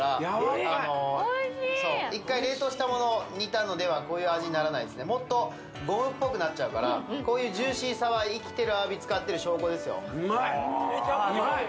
一回冷凍したものを煮たのではこういう味にならないですねもっとゴムっぽくなっちゃうからこういうジューシーさは生きてるアワビ使ってる証拠ですようまいっうまい！